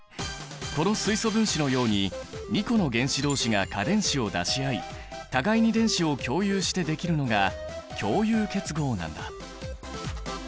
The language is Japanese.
この水素分子のように２個の原子同士が価電子を出し合い互いに電子を共有してできるのが共有結合なんだ。